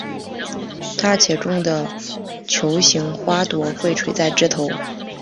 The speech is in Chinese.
大且重的球形花朵会垂在枝头。